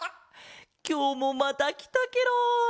きょうもまたきたケロ。